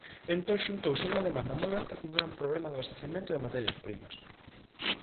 Entón xuntouse unha demanda moi alta cun gran problema de abastecemento de materias primas.